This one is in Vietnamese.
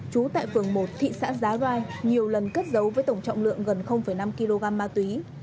trú tại phường một thị xã giá rai nhiều lần cất giấu với tổng trọng lượng gần năm kg ma túy